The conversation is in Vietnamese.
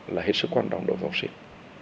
là hết sức quan trọng đối với học sinh